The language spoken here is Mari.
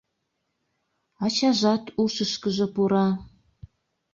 Ачажат ушышкыжо пура.